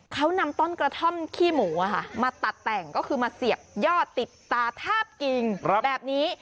เขานำต้นกระท่อมขี้หมูมาตัดแต่งก็คือมาเสียบยอดติดตาทาบกิ่งแบบนี้